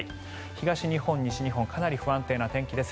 東日本、西日本かなり不安定な天気です。